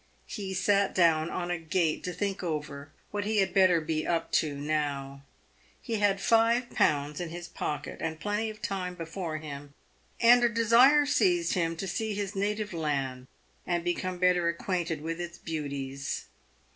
He sat down on a gate to think over what he had better " be up to" now. He had five pounds in his pocket, and plenty of time before him, and a desire seized him to see his native land, and become better acquainted with its beauties.